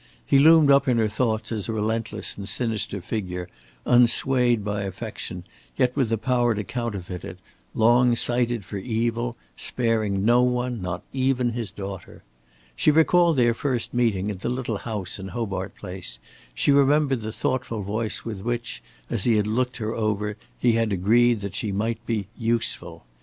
He loomed up in her thoughts as a relentless and sinister figure, unswayed by affection, yet with the power to counterfeit it, long sighted for evil, sparing no one not even his daughter. She recalled their first meeting in the little house in Hobart Place, she remembered the thoughtful voice with which, as he had looked her over, he had agreed that she might be "useful."